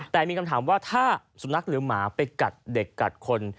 แต่มีคำถามว่าถ้าสุนัขหรือหมาไปกัดเด็กกัดคน